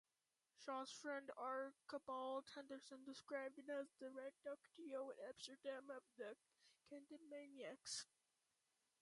Shaw's friend Archibald Henderson described it as "the reductio ad absurdum of the Candidamaniacs".